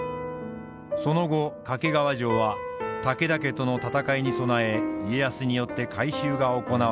その後掛川城は武田家との戦いに備え家康によって改修が行われました。